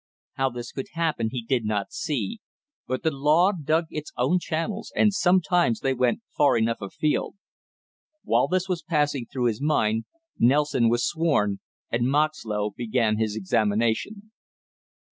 How this could happen he did not see, but the law dug its own channels and sometimes they went far enough afield. While this was passing through his mind, Nelson was sworn and Moxlow began his examination.